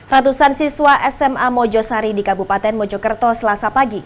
ratusan siswa sma mojosari di kabupaten mojokerto selasa pagi